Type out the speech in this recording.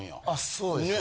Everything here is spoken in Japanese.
そうですね。